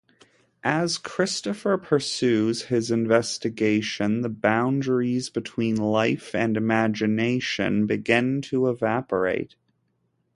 As Christopher pursues his investigation, the boundaries between life and imagination begin to evaporate.